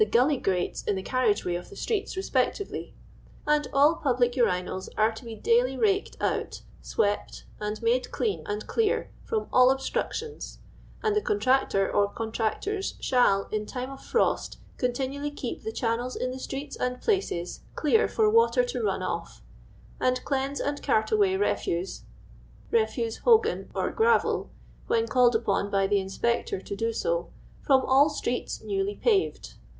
211 grates in the carriage way of the streets respec tively ; and all puhlic urinals are to be daily raked out, swept, and made clean and clear from all obstructions; and the Contractor or Contractors shaU, in time of frost, continually keep the channels in the Streets and Places clear for water to run off: and cleanse and cart away refuse hogaii or gravel (when called upon by the Inspector to do so) from all streets newly paved.